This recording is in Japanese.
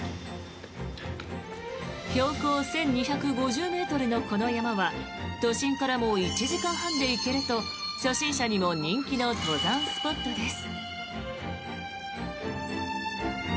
標高１２５０ｍのこの山は都心からも１時間半で行けると初心者にも人気の登山スポットです。